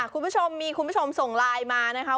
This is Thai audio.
คุณผู้ชมมีคุณผู้ชมส่งไลน์มานะคะ